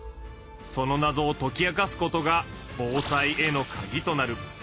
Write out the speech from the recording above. そのなぞをとき明かすことが防災へのカギとなる。